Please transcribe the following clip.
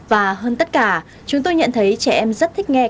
và hơn tất cả chúng tôi nhận thấy trẻ em rất thích nghe